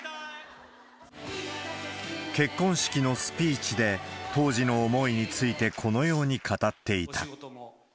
結婚式のスピーチで、当時の思いについてこのように語っていた。